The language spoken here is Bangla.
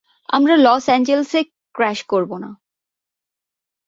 আমরা লস অ্যাঞ্জেলসে ক্র্যাশ করব না!